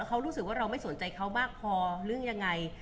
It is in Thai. เขารู้สึกว่าเราไม่สนใจเขามากพอเรื่องยังไง